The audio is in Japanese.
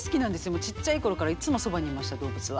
もうちっちゃい頃からいつもそばにいました動物は。